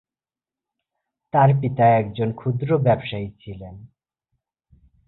তার পিতা একজন ক্ষুদ্র ব্যবসায়ী ছিলেন।